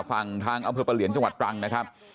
ทางอำเภอประเหลียนจังหวัดตรังนะครับ